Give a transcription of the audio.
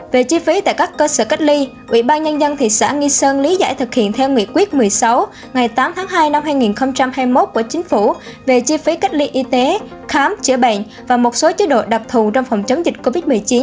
về chi phí tại các cơ sở cách ly ủy ban nhân dân thị xã nghi sơn lý giải thực hiện theo nghị quyết một mươi sáu ngày tám tháng hai năm hai nghìn hai mươi một của chính phủ về chi phí cách ly y tế khám chữa bệnh và một số chế độ đặc thù trong phòng chống dịch covid một mươi chín